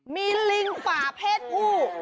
มีลิงฝ่าเพศผู้